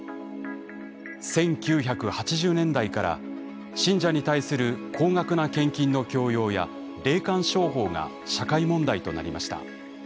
１９８０年代から信者に対する高額な献金の強要や霊感商法が社会問題となりました。